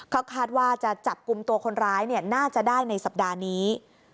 ก็คาดว่าจะจับกลุ่มตัวคนร้ายน่าจะได้ในสัปดาห์นี้